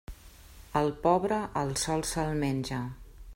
Al pobre, el sol se'l menja.